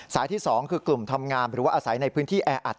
ที่๒คือกลุ่มทำงามหรือว่าอาศัยในพื้นที่แออัด